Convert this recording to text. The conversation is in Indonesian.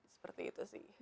seperti itu sih